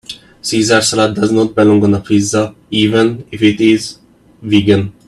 Caesar salad does not belong on a pizza even if it is vegan.